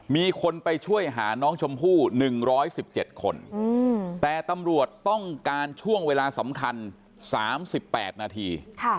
มีคนไปช่วยหาน้องชมพู่๑๑๗คนแต่ตำรวจต้องการช่วงเวลาสำคัญ๓๘นาที